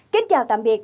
kính chào tạm biệt